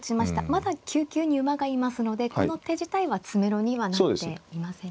まだ９九に馬がいますのでこの手自体は詰めろにはなっていませんね。